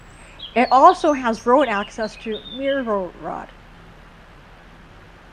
It also has road access to Myrhorod.